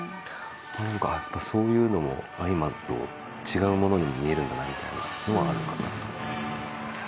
なんかやっぱそういうのも今と違うものに見えるんだなみたいなのもあるかなと。